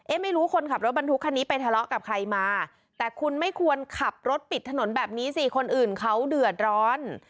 ไม่รู้คนขับรถบรรทุกคันนี้ไปทะเลาะกับใครมาแต่คุณไม่ควรขับรถปิดถนนแบบนี้สิคนอื่นเขาเดือดร้อน